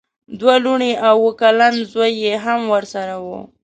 دوه لوڼې او اوه کلن زوی یې هم ورسره وو.